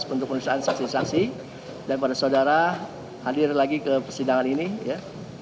untuk pemeriksaan saksi saksi dan para saudara hadir lagi ke persidangan ini ya